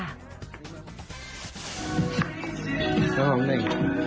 น้องหอมหนึ่ง